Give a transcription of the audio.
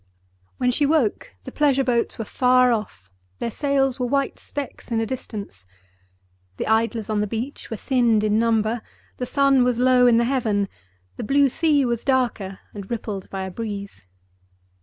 When she woke, the pleasure boats were far off; their sails were white specks in the distance. The idlers on the beach were thinned in number; the sun was low in the heaven; the blue sea was darker, and rippled by a breeze.